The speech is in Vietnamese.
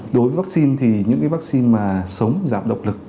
đối với vaccine thì những cái vaccine mà sống giảm độc lực